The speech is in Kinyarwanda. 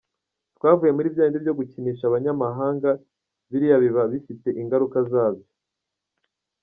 Twavuye muri bya bindi byo gukinisha abanyamahanga, biriya biba bifite ingaruka zabyo.